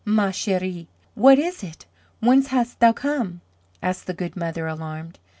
"Ma cherie, what is it, whence hast thou come?" asked the good mother alarmed.